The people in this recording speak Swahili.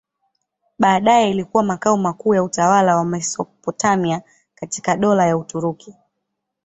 Baadaye ilikuwa makao makuu ya utawala wa Mesopotamia katika Dola la Uturuki.